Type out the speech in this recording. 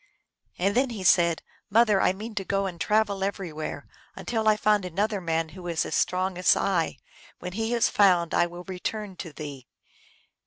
And then he said, " Mother, I mean to go and travel everywhere, until I find another man who is as strong as I. When he is found I will return to thee."